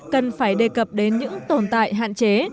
cần phải đề cập đến những tồn tại hạn chế